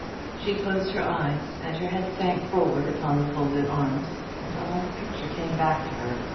She closed her eyes, and her head sank forward upon her folded arms, and all the picture came back to her.